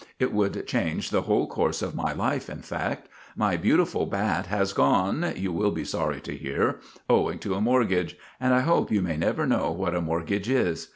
It would change the whole course of my life, in fact. My beautiful bat has gone, you will be sorry to hear, owing to a mortgage, and I hope you may never know what a mortgage is.